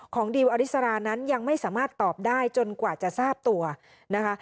ดิวอริสรานั้นยังไม่สามารถตอบได้จนกว่าจะทราบตัวนะคะ